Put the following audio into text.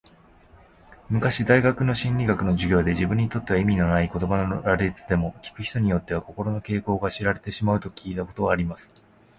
昔大学の心理学の授業で、自分にとっては意味のない言葉の羅列でも、聞く人によっては、心の傾向が知られてしまうと聞いたことがあります。